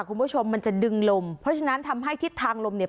คุณผู้ชมมันจะดึงลมเพราะฉะนั้นทำให้ทิศทางลมเนี่ย